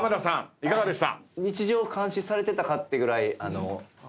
いかがでした？